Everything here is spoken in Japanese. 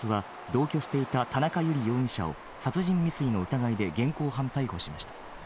警察は同居していた田中友理容疑者を殺人未遂の疑いで現行犯逮捕しました。